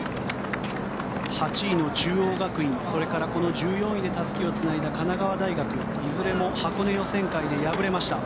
８位の中央学院それから１４位でたすきをつないだ神奈川大学いずれも箱根予選会で敗れました。